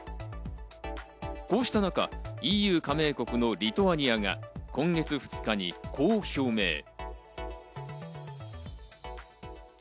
こうした中、ＥＵ加盟国のリトアニアが今月２日に、こう表明。